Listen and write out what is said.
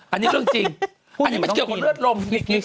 อันนี้เรื่องจริงอันนี้มันเกี่ยวกับเลือดลม